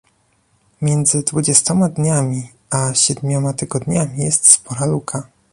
Między dwudziestoma dniami a siedmioma tygodniami jest spora luka